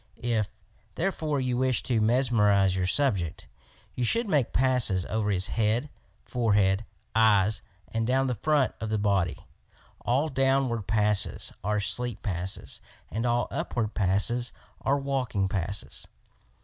If, therefore, you wish to mes merize your subject, you should make passes over his head, forehead, eyes and down the front of the body. All downward passes are sleep passes and all upward passes are waking passes.